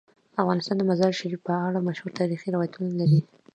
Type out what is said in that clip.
افغانستان د مزارشریف په اړه مشهور تاریخی روایتونه لري.